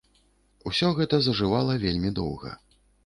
Усё гэта зажывала вельмі доўга.